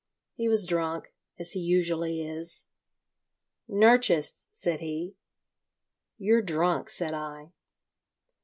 He was drunk—as he usually is. 'Nerchist,' said he. 'You're drunk,' said I.